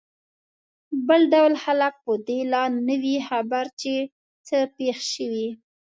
بل ډول خلک په دې لا نه وي خبر چې څه پېښ شوي.